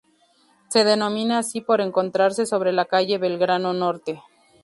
Se denomina así por encontrarse sobre la calle Belgrano Norte.